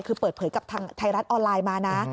คือเปิดเผยกับทางไทยรัฐออนไลน์มานะ